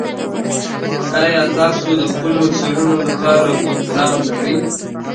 ایا تاسو د خپلو څېړنو لپاره کوم پلان لرئ؟